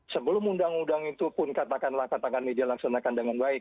sebelum undang undang itu pun katakanlah katakan media laksanakan dengan baik